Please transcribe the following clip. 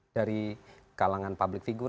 dari kalangan public figure